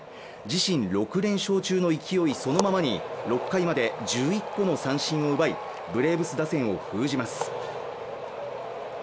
自身６連勝中の勢いそのままに６回まで１１個の三振を奪いブレーブス打線を封じます。